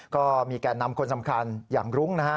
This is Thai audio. ก็มีแก่นำคนสำคัญอย่างรุ้งนะฮะ